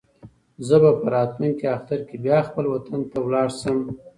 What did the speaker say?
زه به په راتلونکي اختر کې بیا خپل وطن ته لاړ شم.